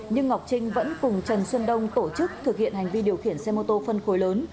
nhưng ngọc trinh vẫn cùng trần xuân đông tổ chức thực hiện hành vi điều khiển xe mô tô phân khối lớn